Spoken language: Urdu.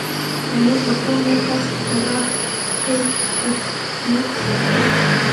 یعنی کپڑوں میں کس طرح کی کٹنگ ہے،